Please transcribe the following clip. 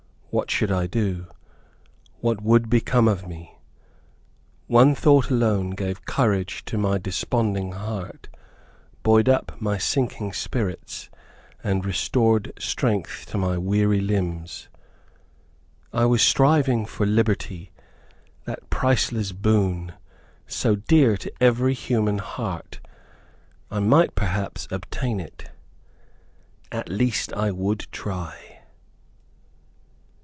What should I do? What would become of me? One thought alone gave courage to my desponding heart, buoyed up my sinking spirits, and restored strength to my weary limbs. I was striving for liberty, that priceless boon, so dear to every human heart. I might, perhaps, obtain it. At least, I would try.